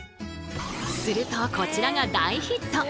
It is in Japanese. するとこちらが大ヒット！